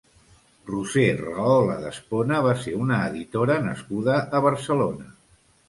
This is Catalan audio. Roser Rahola d'Espona va ser una editora nascuda a Barcelona.